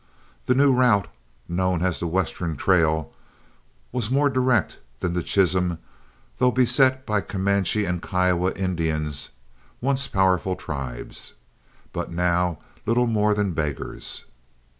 The new route, known as the Western trail, was more direct than the Chisholm though beset by Comanche and Kiowa Indians once powerful tribes, but now little more than beggars.